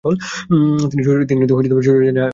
তিনি স্বৈরাচারী শাসন চালিয়েছিলেন।